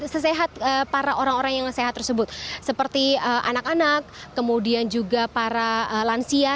sesehat para orang orang yang sehat tersebut seperti anak anak kemudian juga para lansia